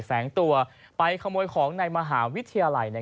แฝงตัวไปขโมยของในมหาวิทยาลัย